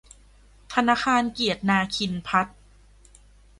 ธนาคารเกียรตินาคินภัทร